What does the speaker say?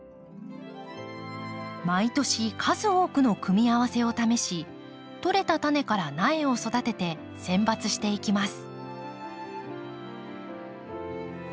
毎年数多くの組み合わせを試しとれたタネから苗を育てて選抜していきます。